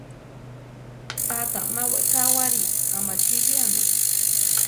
Tata má wekáwari amachiliame.